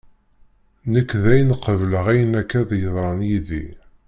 Nekk dayen qebleɣ ayen akka d-yeḍran yid-i.